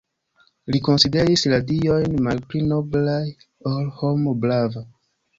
Li konsideris la diojn malpli noblaj ol homo brava.